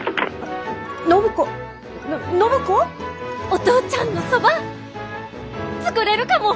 お父ちゃんのそば作れるかも！